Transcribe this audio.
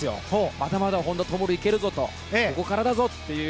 まだまだ本多灯、いけるぞとここからだぞという